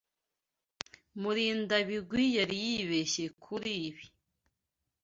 Murindabigwi yari yibeshye kuri ibi.